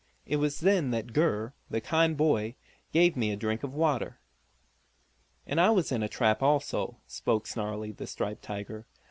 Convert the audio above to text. It was then that Gur, the kind boy, gave me a drink of water." "And I was in a trap also," spoke Snarlie, the striped tiger.